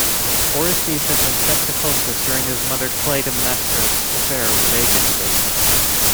Orestes had been sent to Phocis during his mother Clytemnestra's affair with Aegisthus.